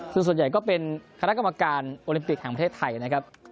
ซึ่งส่วนใหญ่ก็เป็นคณะกรรมการโอลิมปิกแห่งประเทศไทยนะครับ